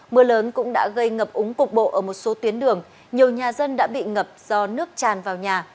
mưa lớn cũng đã gây ngập úng cục bộ ở một số tuyến đường nhiều nhà dân đã bị ngập do nước tràn vào nhà